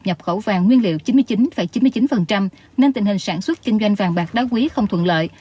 nhập khẩu vàng nguyên liệu chín mươi chín chín mươi chín nên tình hình sản xuất kinh doanh vàng bạc đá quý không thuận lợi